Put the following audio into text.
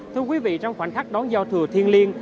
thưa quý vị trong khoảnh khắc đón giao thừa thiên liên